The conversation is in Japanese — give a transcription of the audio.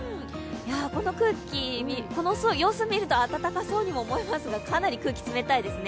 この様子を見ると暖かそうに見えますが、かなり空気冷たいですね。